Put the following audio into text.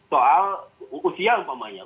soal usia umpamanya